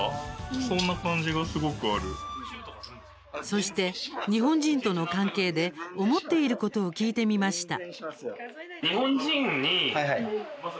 そして、日本人との関係で思っていることを聞いてみました。